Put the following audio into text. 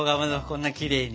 こんなきれいに。